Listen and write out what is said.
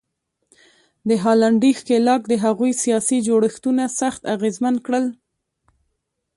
د هالنډي ښکېلاک د هغوی سیاسي جوړښتونه سخت اغېزمن کړل.